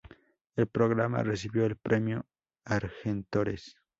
El programa recibió el premio Argentores.